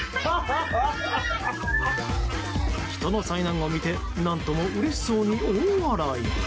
人の災難を見て何ともうれしそうに大笑い。